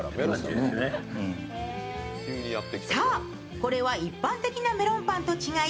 これは一般的なメロンパンと違い